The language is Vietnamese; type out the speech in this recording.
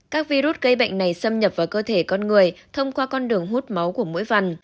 các virus gây bệnh này xâm nhập vào cơ thể con người thông qua con đường hút máu của mũi vằn